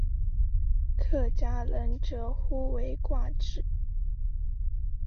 客家人则呼为挂纸。